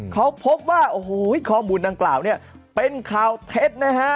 เขาพบว่าโอ้โหข้อมูลดังกล่าวเนี่ยเป็นข่าวเท็จนะฮะ